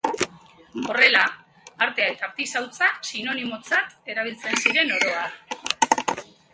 Horrela, artea eta artisautza sinonimotzat erabiltzen ziren oro har.